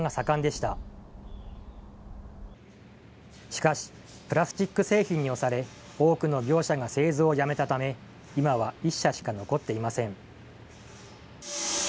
しかし、プラスチック製品に押され、多くの業者が製造をやめたため、今は１社しか残っていません。